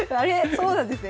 そうなんですね。